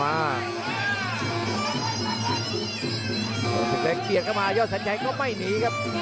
กระโดยสิ้งเล็กนี่ออกกันขาสันเหมือนกันครับ